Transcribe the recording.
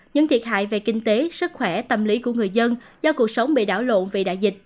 những thiệt hại về kinh tế sức khỏe tâm lý của người dân do cuộc sống bị đảo lộn vì đại dịch